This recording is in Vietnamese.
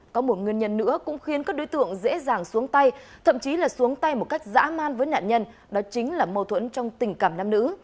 có một nguyên nhân nữa cũng khiến các đối tượng dễ dàng xuống tay thậm chí là xuống tay một cách dã man với nạn nhân đó chính là mâu thuẫn trong tình cảm nam nữ